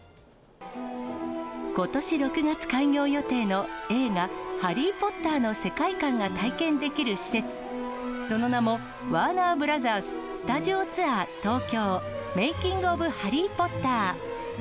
ことし６月開業予定の、映画、ハリー・ポッターの世界観が体験できる施設、その名もワーナーブラザーススタジオツアー東京メイキング・オブ・ハリー・ポッター。